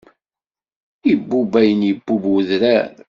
Ibubb ayen ibubb wedrar.